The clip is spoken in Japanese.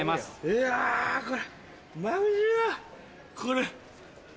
いやまぶしいわこれ。